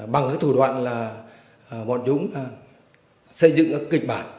bằng cái thủ đoạn là bọn chúng xây dựng các kịch bản